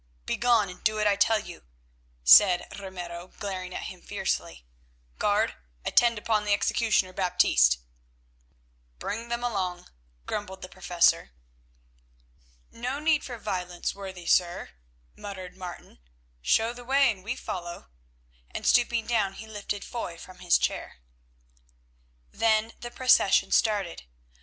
"Begone and do what I tell you," said Ramiro, glaring at him fiercely. "Guard, attend upon the executioner Baptiste." "Bring them along," grumbled the Professor. "No need for violence, worthy sir," muttered Martin; "show the way and we follow," and stooping down he lifted Foy from his chair. Then the procession started.